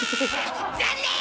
残念！